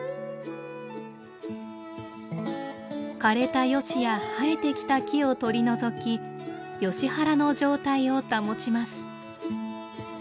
枯れたヨシや生えてきた木を取り除きヨシ原の状態を保ちます。